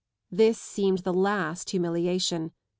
This seemed the last humiliation.